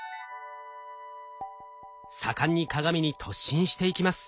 盛んに鏡に突進していきます。